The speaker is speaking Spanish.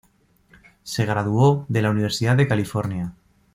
Se graduó de la Universidad de California.